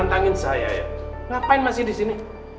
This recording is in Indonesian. ngapain masih di sini